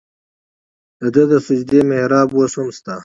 د ده د سجدې محراب اوس هم شته.